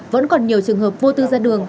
vẫn còn nhiều trường hợp vô tư ra đường